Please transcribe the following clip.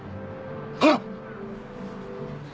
あっ！